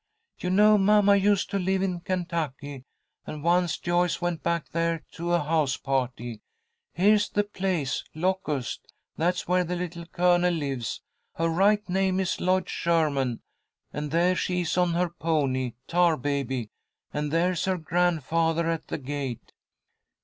"You know mamma used to live in Kentucky, and once Joyce went back there to a house party. Here's the place, Locust. That's where the Little Colonel lives. Her right name is Lloyd Sherman. And there she is on her pony, Tar Baby, and there's her grandfather at the gate."